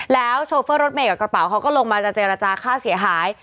แล้วโชเฟอร์รถเมย์กับกระเป๋าเขาก็ลงมาจะเจรจาค่าเสียหาย